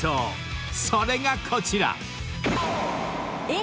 ［それがこちら］え！